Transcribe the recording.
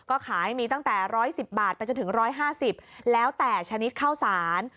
ก็ขายมีตั้งแต่๑๑๐บาทไปจนถึง๑๕๐แล้วแต่ชนิดข้าวสาร